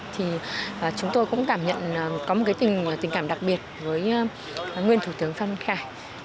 thì chúng tôi cũng cảm nhận có một tình cảm đặc biệt với nguyên thủ tướng pháp minh khải